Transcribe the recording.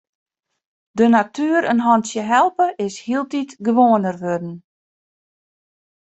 De natuer in hantsje helpe is hieltyd gewoaner wurden.